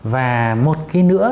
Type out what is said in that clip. và một khi nữa